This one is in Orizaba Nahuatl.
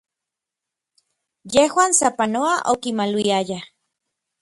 Yejuan sapanoa okimaluiayaj.